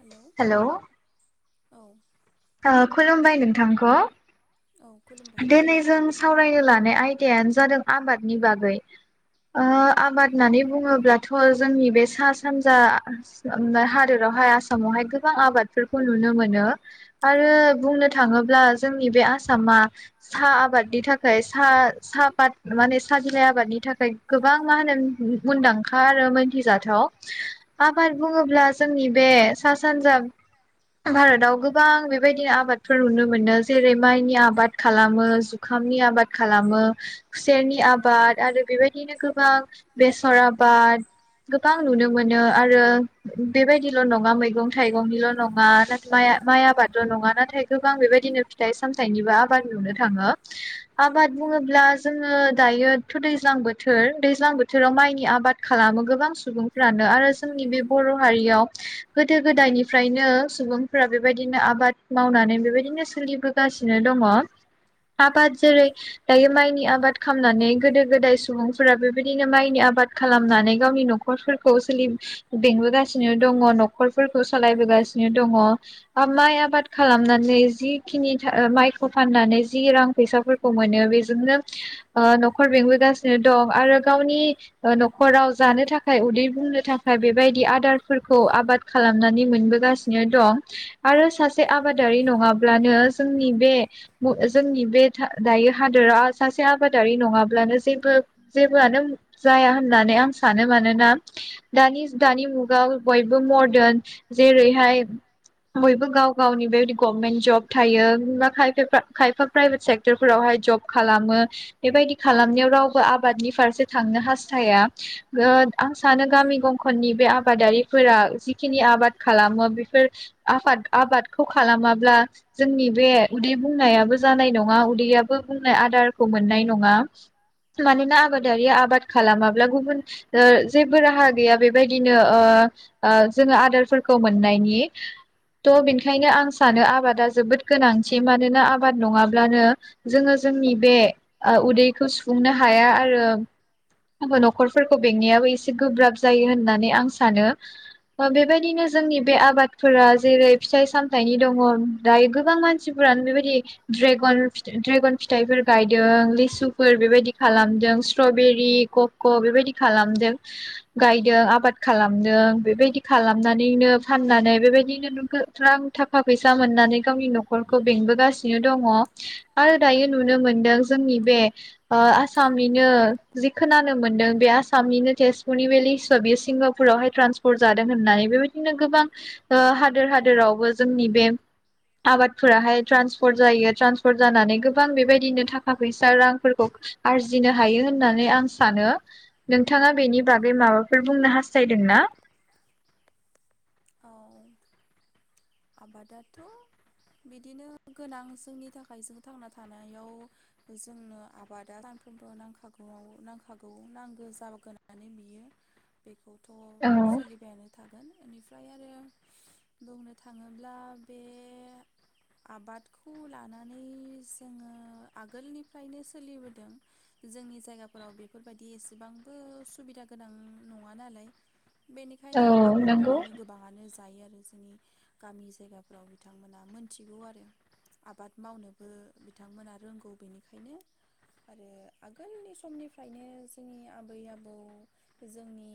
Hello hello? औ। ओ खुलुमबाय नोंथांखौ औ खुलुमबाय दिनै जों सावरायनो ला बे आयदायानो जादों आबादनि बागै। ओ आबाद होननानै बुङोब्लाथ' जोंनि बे सा सानजा हादोरावहाय आसामावहाय गोबां आबादफोरखौ नुनो मोनो आरो बुंनो थाङोब्ला जोंनि बे आसामा साहा आबादनि थाखाय सा साफाद माने साहा बिलाइ आबादनि थाखाय गोबां मा होनो मुंदांखा आरो मोनथिजाथाव आबाद बुङोब्ला जोंनि बे सा सानजा भारताव गोबां बेबायदि आबादफोर नुनो मोनो जेरै माइनि आबाद खालामो जुखामनि आबाद खालामो खुसेरनि आबाद आरो बेबायदिनो गोबां बेसर आबाद गोबां नुनो मोनो आरो बेबायदिल' नङा मैगं थाइगंनिल' नङा माइ आबादल' नङा नाथाय गोबां बेबायदिनो फिथाइ सामथाइनिबो आबाद नुनो थाङो। आबाद बुङोब्ला जोङो दायोथ दैज्लां बोथोर दैज्लां बोथोराव माइनि आबाद खालामो गोबां सुबुंफ्रानो आरो जोंनि बे बर' हारियाव गोदो गोदायनिफ्रायनो सुबुंफोरा बेबायदिनो आबाद मावनानै बेबायदिनो सोलिबोगासिनो दङ आबाद जेरै दायो माइनि आबाद खालामनानै गोदो गोदाय सुबुंफोरा बेबायदिनो माइनि आबाद खालामनानै गावनि नखरफोरखौ सोलि बेंबोगासिनो दङ नखरफोरखौ सालायबोगासिनो दङ माइ आबाद खालामनानै जिखिनि माइखौ फाननानै जि रां फैसाफोरखौ मोनो बेजोंनो ओ नखर बेंबोगासिनो दं आरो गावनि नखराव जानो थाखाय उदै बुंनो थाखाय बेबायदि आदारफोरखौ आबाद खालामनानै मोनबोगासिनो दं आरो सासे आबादारि नङाब्लानो जोंनि बे जोंनि बे दायो हादोराव सासे आबादारि नङाब्लानो जेबो जेबोआनो जाया होननानै आं सानो मानोना दानि दानि मुगायाव बयबो मर्दान जेरैहाय बयबो गाव गावनि बेबायदि गभमेन्ट जब थायो बा खायफा खायफा प्राइभेट सेक्टरफोरावहाय जब खालामो बेबायदि खालामनायाव रावबो आबादनि फारसे थांनो हास्थाया आं सानो गामि गंखननि बे आबादारिफोरा जिखिनि आबाद खालामो बेफोर आफाद आबादखौ खालामाब्ला जोंनि बे उदै बुंनायाबो जानाय नङा उदैयाबो बुंनाय आदारखौ मोननाय नङा मानोना आबादारिया आबाद खालामाब्ला गुबुन ओ जेबो राहा गैया बेबायदिनो ओ ओ जोङो आदारफोरखौ मोननायनि थ बेनिखायनो आं सानो आबादा जोबोद गोनांथि मानोना आबाद नङाब्लानो जोङो जोंनि बे उदैखौ सुफुंनो हाया आरो नखरफोरखौ बेंनायाबो एसे गोब्राब जायो होननानै आं सानो। बेबायदिनो जोंनि बे आबाद जेरै फिथाइ सामथाइनि दङ दायो गोबां मानसिफोरानो बेबायदि ड्रेगन फिथाइ ड्रेगन फिथाइफोर गायदों लिसुफोर बेबायदि खालामदों स्ट्रबेरि, ककवा बेबायदि खालामदों गायदों आबाद खालामदों बेबायदि खालामनानैनो फाननानै बेबायदिनो रां थाखा फैसा मोननानै गावनि नखरखौ बेंबोगासिनो दङ [unintelligible] हादोरावबो जोंनि बे आबादफोराहाय ट्रान्सफर्ट जायो, ट्रान्सफर्ट जानानै गोबां बेबायदिनो थाखा फैसा रांफोरखौ आरजिनो हायो होननानै आं सानो। नोंथाङा बेनि बागै माबाफोर बुंनो हास्थायदोंना? औ आबादाथ' बिदिनो गोनां जोंनि थाखाय जों थांना थानायाव जोंनो आबादा सानफ्रोमबो नांखागौआव नांखागौ नांगौ जागानै बियो बेखौ थ' औ सोलिबायानो थागोन बेनिफ्राय आरो बुंनो थाङोब्ला बे आबादखौ लानानै जोङो आगोलनिफ्रायनो सोलिबोदों जोंनि जायगाफोराव बेफोरबायदि एसेबांबो सुबिदा गोनां नङा नालाय बेनिखायनो औ आबाद नंगौ मावनानैनो गोबाङानो दायो आरो जोनि गामि जायगाफ्राव बिथांमोना मोनथिगौ आरो आबाद मावनोबो बिथांमोना रोंगौ बेनिखायनो आरो आगोलनि समनिफ्रायनो जोंनि आबै आबौ जोंनि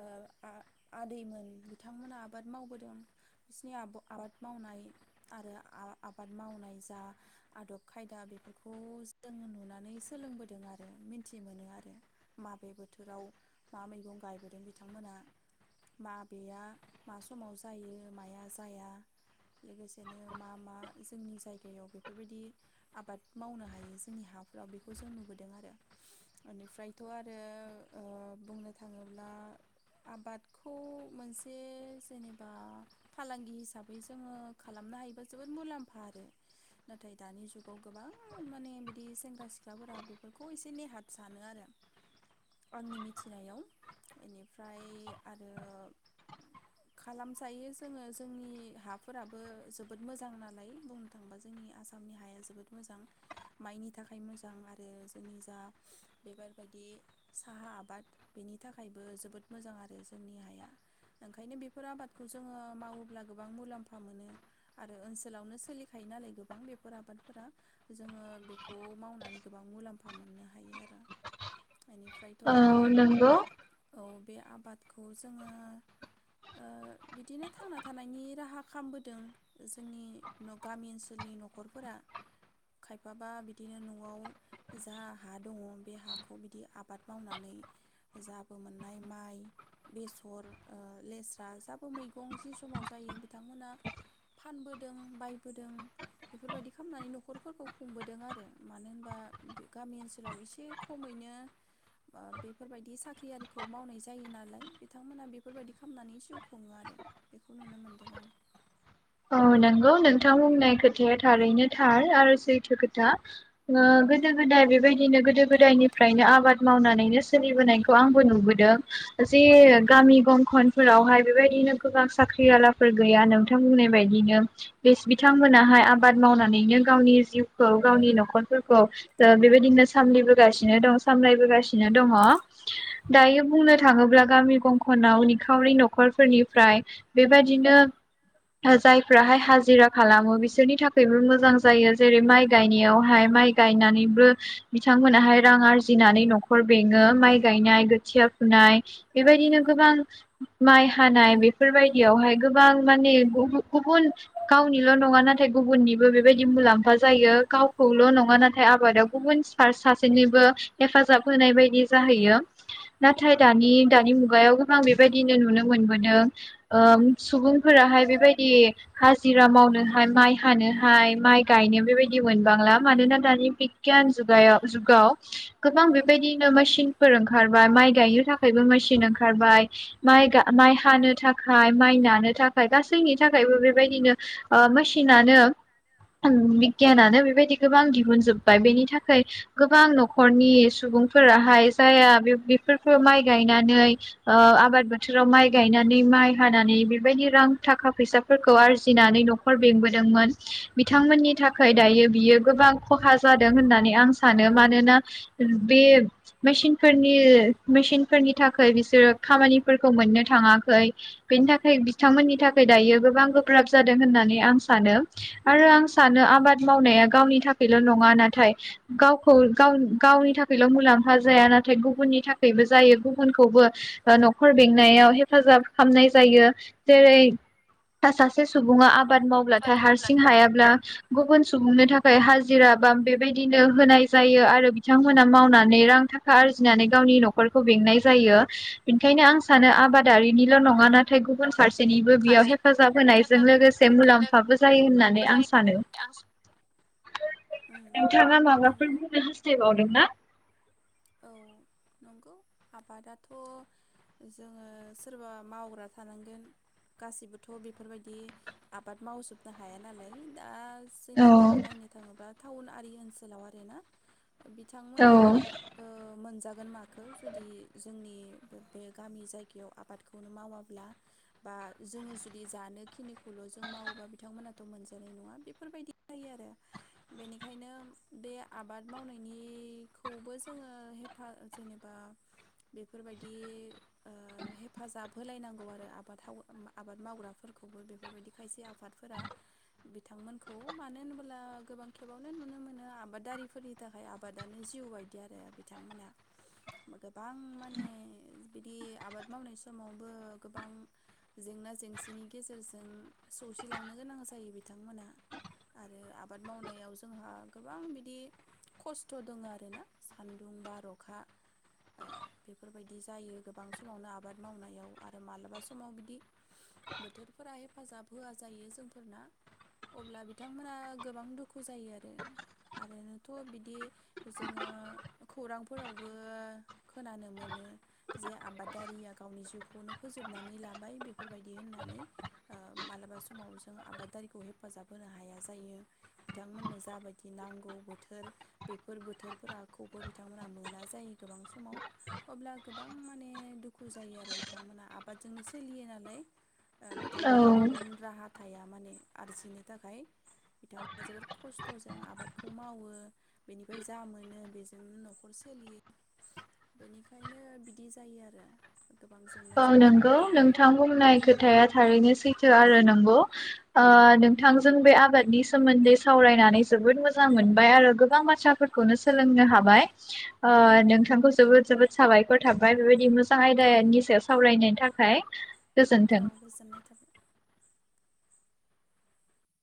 ओ आ आदैमोन बिथांमोना आबाद मावबोदों। बिसोरनि आब आबाद मावनाय आरो आ आबाद मावनाय जा आदब खायदा बेफोरखौ जों नुनानै सोलोंबोदों आरो मिन्थि मोनो आरो माबे बोथोराव मा मैगं गायबोदों बिथांमोना माबेया मा समाव जायो माया जाया लोगोसेनो मा मा जोंनि जायगायाव बेफोरबायदि आबाद मावनो हायो जोंनि हाफ्राव बेखौ जों नुबोदों आरो ओनिफ्रायथ‌' आरो ओ बुंनो थाङोब्ला आबादखौ मोनसे जेनेबा फालांगि हिसाबै जोङो खालामनो हायोबा जोबोद मुलाम्फा आरो नाथाय दानि जुगाव गोबां माने बिदि सेंग्रा सिख्लाफोरा बेफोरखौ एसे नेहाथ सानो आरो आंनि मिथिनायाव इनिफ्राय आरो खालामजायो जोङो जोंनि हाफोराबो जोबोद मोजां नालाय बुंनो थाङोबा जोंनि आसामनि हाया जोबोद मोजां माइनि थाखाय मोजां आरो जोंनि जा बेबारबायदि साहा आबाद बेनि थाखायबो जोबोद मोजां आरो जोंनि हाया ओंखायनो बेफोर आबादखौ जोङो मावोब्ला गोबां मुलाम्फा मोनो आरो ओनसोलावनो सोलिखायो नालाय गोबां बेफोर आबादफोरा जोङो बेखौ मावनानै गोबां मुलाम्फा मोननो हायो आरो। इनिफ्रायथ' औ आरो नंगौ औ बे आबादखौ जोङो ओ बिदिनो थांना थानायनि राहा खामबोदों जोंनि न गामि ओनसोलनि नखरफोरा खायफाबा बिदिनो नआव जा हा दङ बे हाखौ बिदि आबाद मावनानै जाबो मोननाय माइ बेसर ओ लेस्रा जाबो मै फंजि समाव जायो बिथांमोना फानबोदों बायबोदों बेफोरबायदि खालामनानै नखरफोरखौ खुंबोदों आरो मानो होनबा गामि ओनसोलाव एसे खमैनो ओ बेफोरबायदि साख्रि आरिखौ मावनाय जायो नालाय बिथांमोना बेफोरबायदि खालामनानै जिउ खुङो आरो बेखौ नुनो मोनदों आं औ नंगौ नोंथां बुंनाय खोथाया थारैनो थार आरो सैथो खोथा ओ गोदो गोदाय बेबायदिनो गोदो गोदायनिफ्रायनो आबाद मावनानैनो सोलिबोनायखौ आंबो नुबोदों जे गामि गंखनफोरावहाय बेफोरबायदिनो गोबां साख्रि आलाफोर गैया नोंथां बुंनाय बेबायदिनो बेस बिथांमोनाहाय आबाद मावनानैनो गावनि जिउखौ गावनि नखरफोरखौ ओ बेबायदिनो सामलिबोगासिनो दं सामलायबोगासिनो दङ दायो बुंनो थाङोब्ला गामि गंखनाव निखावरि नखरफोरनिफ्राय बेबायदिनो जायफ्राहाय हाजिरा खालामो बिसोरनि थाखायबो मोजां जायो जेरै माइ गायनायावहाय माइ गायनानैबो बिथांमोनाहाय रां आरजिनानै नखर बेङो माइ गायनाय खोथिया फुनाय बेबायदिनो गोबां माइ हानाय बेफोरबायदियावहाय गोबां माने गुबुन गावनिल नङा नाथाय गुबुननिबो बे बेबायदि मुलाम्फा जायो गावखौल नङा नाथाय आबादाव गुबुन सार सासेनिबो हेफाजाब होनाय बायदि जाहैयो नाथाय दानि दानि मुगायाव गोबां बेबायदिनो नुनो मोनबोदों ओ सुबुंफोराहाय बेबायद एह हाजिरा मावनोहाय माइ हानोहाय माइ गायनो बेबायदि मोनबांला मानोना दानि बिगियान जुगायाव जुगाव गोबां बेबायदिनो मसिनफोर ओंखारबाय माइ गायनो थाखायबो मसिन ओंखारबाय माइ गा माइ हानो थाखाय माइ नानो थाखाय गासैनि थाखायबो बेबायदिनो ओ मसिनानो बिगियानानो बेबायदि गोबां दिहुनजोब्बाय बेनि थाखाय गोबां नखरनि सुबुंफोराहाय जाया बेफोरखौ माइ गायनानै ओ आबाद बोथोराव माइ गायनानै माइ हानानै बेबायदि रां थाखा फैसाफोरखौ आरजिनानै नखर बेंबोदोंमोन बिथांमोननि थाखाय दायो बियो गोबां खहा जादों होननानै आं सानो मानोना बे मेसिनफोरनि मेसिनफोरनि थाखाय बिसोरो खामानिफोरखौ मोननो थाङाखै बेनि थाखाय बिथांमोननि थाख गोबां गोब्राब जादों होननानै आं सानो आरो आं सानो आबाद मावनाया गावनि थाखायल नङा नाथाय गावखौ गाव गावनि थाखायल मुलाम्फा जाया नाथाय गुबुननि थाखायबो जायो गुबुनखौबो नखर बेंनायाव हेफाजाब खालामनाय जायो जेरै दा सासे सुबुङा आबाद मावब्लाथाय हारसिं हायाब्ल गुबुन सुबुंनो थाखाय हाजिरा बा बेबायदिनो होनाय जायो आरो बिथांमोना मावनानै रां थाखा आरजिनानै गावनि नखरखौ बेंनाय जायो बेंनिखायनो आं सानो आबादारिनिल नङा नाथाय गुबुन फारसेनि बेयाव फारसेथिं हेफाजाब होनायजों हेफाजाबजों लोगोसे मुलाम्फाबो जायो होननानै लोगोबो आं जायो सानो आं उम नोंथाङा माबाफोर नंगौ बुंनो हास्थायबावदों ना? औ नंगौ आबादाथ जोङो सोरबा मावग्रा थानांगोन गासिबोथ बेफोरबायदि आबाद मावजोबनो हाया नालाय दा औ जेनेबा नायनो थाङोबा टाउन आरि ओनसोलाव आरो ना बिथांमोना औ ओ मोनजागोन माखो जुदि जोंनि बे गामि जायगायाव आबादखौनो मावाब्ला बा जोङो जुदि जानोखिनिखौल जों मावोबा बिथांमोनाथ मोनजानाय नङा बेफोरबायदि जायो आरो बेनिखायनो बे आबाद मावनायनिखौबो जों जोङो हेफा जेनेबा बेफोरबायदि ओ हेफाजाब होलायनांगौ आरो आबाद थाव आबाद मावग्राफोरखौबो बेफोरबायदि खायसे आफादफोरा बिथांमोनखौ मानो होनबोला गोबां खेबावनो नुनो मोनो आबादारिफोरनि थाखाय आबादानो जिउ बायद बिदि आरो बिथांमोना गोबां माने बिदि आबाद मावनाय समावबो गोबां जेंना जेंसिनि गेजेरजों सौसिलांनो गोनां जायो बिथांमोना आरो आबाद मावनायाव जोंहा गोबां बिदि खस्थ दङ आरोना सान्दुं बार अखा ओ बेफोरबायदि जायो गोबां समावनो आबाद मावनायाव आरो मालाबा समाव बिदि बोथोरफोरा हेफाजाब होआ जायो जोंफोरना अब्ला बिथांमोना गोबां दुखु जायो आरो आरोनोथ बिदि जोङो ओ खौरांफोरावबो खोनानो मोनो जे आबादारिया गावनि जिउखौनो फोजोबनानै लाबाय बेफोरबायदि होननानै ओ मालाबा समाव जों आबादारिखौ हेफाजाब होनो हाया जायो बिथांमोननो जाबायदि नांगौ बोथोर बेफोर बोथोर रावफोरखौबो बिथांमोनहा मोना जायो गोबां समाव अब्ला गोबां माने दुखु जायो आरो बिथांमोना आबादजोंनो सोलियो नालाय। बिथांमोना औ गुबुन राहा हाया माने आरजिनो थाखाय बिथांमोना जोबोद खस्थजों आबादखौ मावो बेनिफ्राय जा मोन नो बेजोंनो नखर सोलियो बेनिखायनो बिदि जायो आरो गोबां जेंना औ जेंसा नंगौ बिथांमोना नोंथां बुंनाय खोथाया थारैनो सैथ आरो नंगौ ओ नोंथांजों बे आबादनि सोमोन्दै सावरायनानै जोबोद मोजां मोनबाय आरो गोबां बाथ्राफोरखौनो सोलोंनो हाबाय ओ नोंथांखौ जोबोद जोबोद साबायखर थाबाय बेबायदि मो [unintelligible] औ नि थाखाय गोजोन्थों। औ गोजोननाय थाबाय